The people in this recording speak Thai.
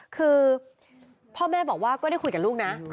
คือพ่อแม่บอกว่าก็ได้คุยกับลูกนะ